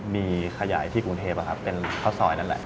มีขยายที่กรุงเทพเป็นข้าวซอยนั่นแหละ